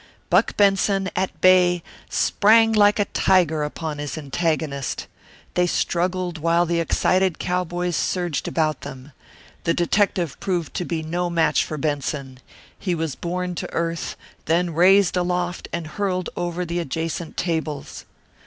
Buck Benson, at bay, sprang like a tiger upon his antagonist. They struggled while the excited cowboys surged about them. The detective proved to be no match for Benson. He was borne to earth, then raised aloft and hurled over the adjacent tables.